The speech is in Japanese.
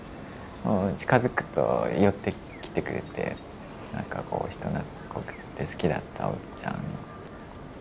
近づくと寄ってきてくれて人なつっこくて好きだったおっちゃん。